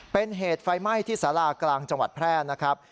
เป็นเหตุไฟไหม้ที่สารากลางจังหวัดแพร่นะครับ